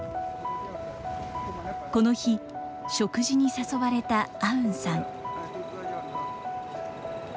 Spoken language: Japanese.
この日、食事に誘われたアウンさん。